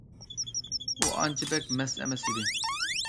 ئۇ ئانچە بەك مەست ئەمەس ئىدى.